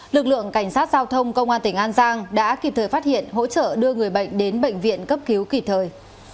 lực lượng cảnh sát giao thông công an tỉnh an giang đã kịp thời phát hiện hỗ trợ đưa người bệnh đến bệnh viện cấp cứu kịp thời